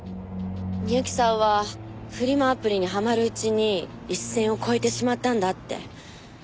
美由紀さんはフリマアプリにハマるうちに一線を越えてしまったんだって。